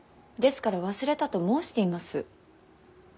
ですから忘れたと申しています。